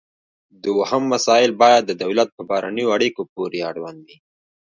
دوهم مسایل باید د دولت په بهرنیو اړیکو پورې اړوند وي